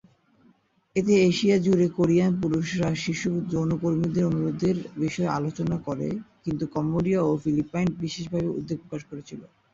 এতে এশিয়া জুড়ে কোরিয়ান পুরুষরা শিশু যৌনকর্মীদের অনুরোধের বিষয়ে আলোচনা করে, কিন্তু কম্বোডিয়া ও ফিলিপাইন বিশেষভাবে উদ্বেগ প্রকাশ করেছিল।